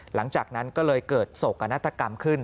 หลังจากนั้นก็เลยเกิดโศกนาฏกรรมขึ้น